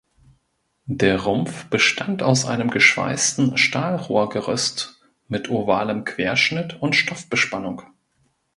Der Rumpf bestand aus einem geschweißten Stahlrohrgerüst mit ovalem Querschnitt und Stoffbespannung.